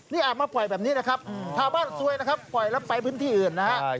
นี่อาบมาปล่อยแบบนี้นะครับชาวบ้านซวยนะครับปล่อยแล้วไปพื้นที่อื่นนะครับ